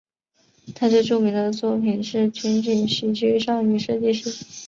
他最著名的作品是情景喜剧少女设计师。